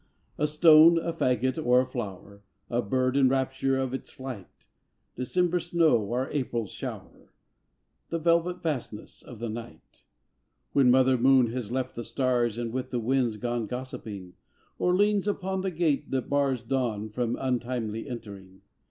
A stone, a faggot or a flower; A bird in rapture of its flight; December snow or April shower; The velvet vastness of the night, When Mother Moon has left the stars And with the winds gone gossiping Or leans upon the gate that bars Dawn from untimely entering.